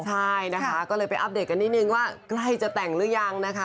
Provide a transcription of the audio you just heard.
ใช่นะคะก็เลยไปอัปเดตกันนิดนึงว่าใกล้จะแต่งหรือยังนะคะ